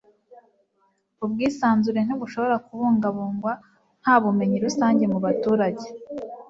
ubwisanzure ntibushobora kubungabungwa nta bumenyi rusange mu baturage